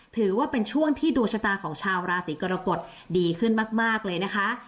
ถือว่าเป็นช่วงที่ดวงชะตาของชาวราศีกรกฎดีขึ้นมากเลยนะคะ